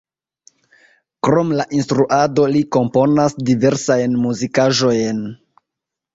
Krom la instruado li komponas diversajn muzikaĵojn.